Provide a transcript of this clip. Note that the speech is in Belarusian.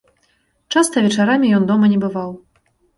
Часта вечарамі ён дома не бываў.